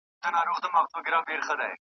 کرۍ شپه د خُم له څنګه سر پر سر یې نوشومه .